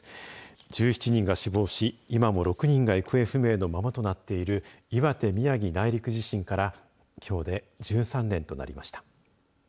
１７人が死亡し、今も６人が行方不明のままとなっている岩手・宮城内陸地震からきょうで１３年となりました。